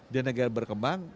dia negara berkembang